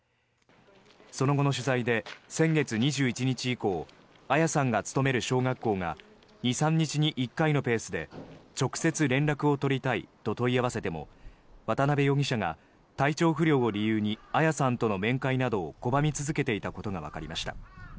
その後の取材で先月２１日以降彩さんが勤める小学校が２３日に１回のペースで直接連絡を取りたいと問い合わせても渡邉容疑者が体調不良を理由に彩さんとの面会などを拒み続けていたことがわかりました。